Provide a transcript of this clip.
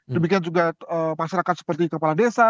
demikian juga masyarakat seperti kepala desa